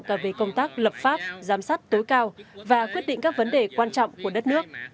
cả về công tác lập pháp giám sát tối cao và quyết định các vấn đề quan trọng của đất nước